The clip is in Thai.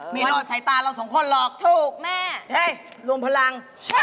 ไม่รอดสายตาเราสองคนหรอกถูกแม่เฮ้ยรวมพลัง